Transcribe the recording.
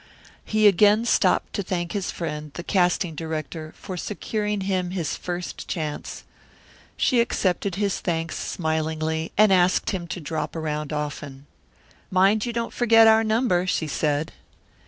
He again stopped to thank his friend, the casting director, for securing him his first chance. She accepted his thanks smilingly, and asked him to drop around often. "Mind, you don't forget our number," she said.